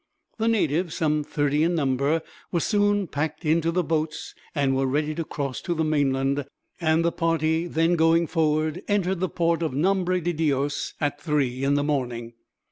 The natives, some thirty in number, were soon packed in the boats, and were ready to cross to the mainland; and the party then going forward, entered the port of Nombre de Dios at three in the morning.